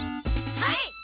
はい！